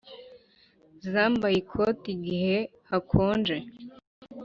zambaye ikoti igihe hakonje,